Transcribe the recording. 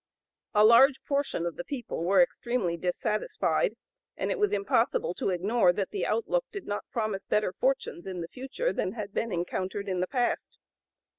A large portion of the people were extremely dissatisfied, and it was impossible to ignore that the outlook did not promise better fortunes in the future than had been encountered in the past.